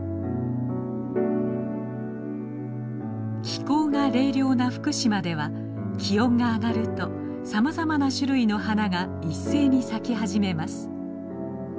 気候が冷涼な福島では気温が上がるとさまざまな種類の花が一斉に咲き始めます。